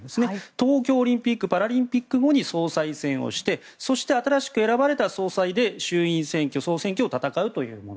東京オリンピック・パラリンピック後に総裁選をしてそして、新しく選ばれた総裁で衆院選挙、総選挙を戦うというもの。